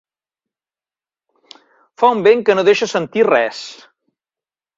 Fa un vent que no deixa sentir res.